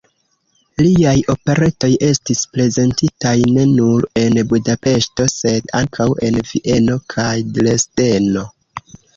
Liaj operetoj estis prezentitaj ne nur en Budapeŝto, sed ankaŭ en Vieno kaj Dresdeno.